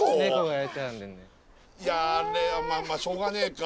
いやあれはまあしょうがねえか。